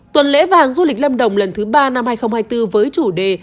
tuần lễ vàng du lịch lâm đồng lần thứ ba năm hai nghìn hai mươi bốn với chủ đề